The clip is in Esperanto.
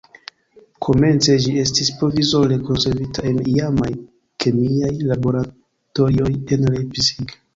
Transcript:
Komence ĝi estis provizore konservita en iamaj kemiaj laboratorioj en Leipzig.